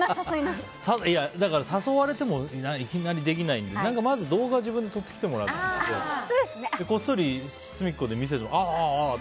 だから、誘われてもいきなりできないので動画を自分で撮ってきてもらってこっそり隅っこで見せてもらって。